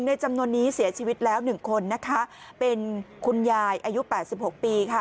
จำนวนนี้เสียชีวิตแล้ว๑คนนะคะเป็นคุณยายอายุ๘๖ปีค่ะ